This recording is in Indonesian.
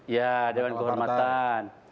ya badan kehormatan